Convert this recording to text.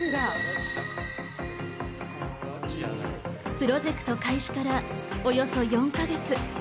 プロジェクト開始からおよそ４か月。